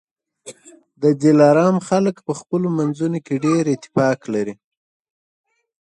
د دلارام خلک په خپلو منځونو کي ډېر اتفاق لري